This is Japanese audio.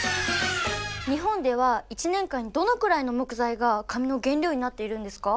日本では１年間にどのくらいの木材が紙の原料になっているんですか？